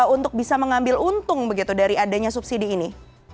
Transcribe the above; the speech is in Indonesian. untuk bisa mengambil untung begitu dari adanya subsidi ini